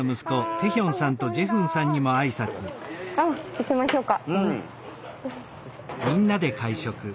行きましょうか。